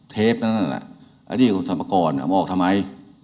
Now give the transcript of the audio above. เทปนั้นน่ะอันนี้คือสมกรเอามาออกทำไม